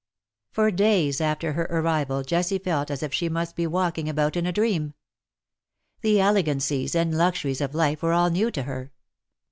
For days after her arrival Jessie felt as if she must be walking about in a dream. The elegancies and luxuries of life were all new to her.